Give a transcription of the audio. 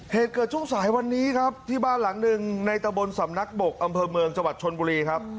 เหตุเกิดช่วงสายวันนี้ครับที่บ้านหลังหนึ่งในตะบนสำนักบกอำเภอเมืองจังหวัดชนบุรีครับ